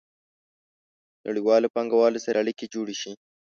نړیوالو پانګوالو سره اړیکې جوړې شي.